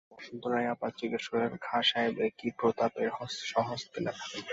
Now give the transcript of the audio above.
বসন্ত রায় আবার জিজ্ঞাসা করিলেন, খাঁ সাহেব, এ কি প্রতাপের স্বহস্তে লেখা?